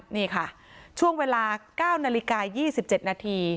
นี่ค่ะช่วงเวลา๙นาฬิกา๒๗นาที